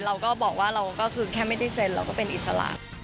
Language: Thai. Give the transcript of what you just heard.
เราก็บอกว่าเราก็คือแค่ไม่ได้เซ็นเราก็เป็นอิสระ